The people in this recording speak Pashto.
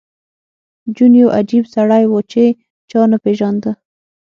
جون یو عجیب سړی و چې چا نه پېژانده